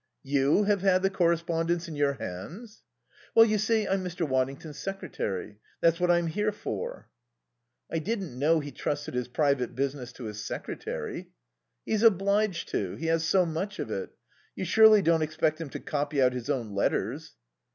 "You have had the correspondence in your hands?" "Well, you see, I'm Mr. Waddington's secretary. That's what I'm here for." "I didn't know he trusted his private business to his secretary." "He's obliged to. He has so much of it. You surely don't expect him to copy out his own letters?"